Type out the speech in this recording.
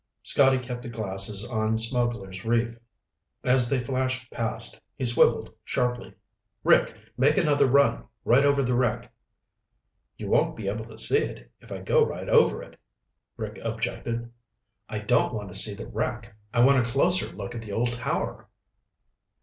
Scotty kept the glasses on Smugglers' Reef. As they flashed past, he swiveled sharply. "Rick, make another run, right over the wreck." "You won't be able to see it if I go right over it," Rick objected. "I don't want to see the wreck, I want a closer look at the old tower."